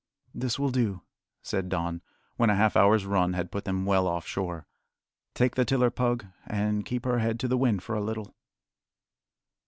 "This will do," said Don, when a half hour's run had put them well off shore. "Take the tiller, Pug, and keep her head to the wind for a little."